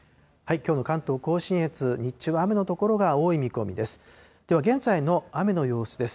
きょうの関東甲信越、日中は雨の所が多い見込みです。